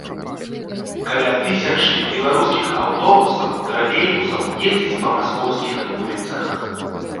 Каля тысячы беларускіх аўтобусаў, тралейбусаў ездзіць па маскоўскіх вуліцах.